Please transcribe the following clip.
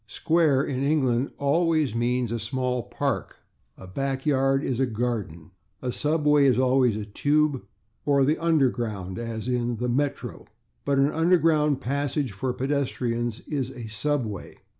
/Square/, in England, always means a small park. A backyard is a /garden/. A subway is always a /tube/, or the /underground/, or the /Metro/. But an underground passage for pedestrians is a /subway